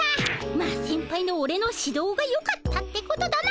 まあセンパイのオレの指どうがよかったってことだな。